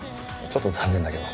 ちょっと残念だけど。